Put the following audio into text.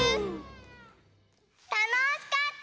たのしかった！